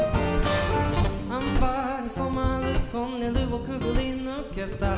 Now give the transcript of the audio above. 「アンバーに染まるトンネルをくぐり抜けたら」